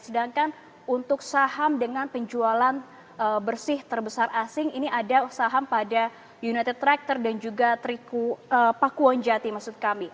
sedangkan untuk saham dengan penjualan bersih terbesar asing ini ada saham pada united tractor dan juga pakuwonjati maksud kami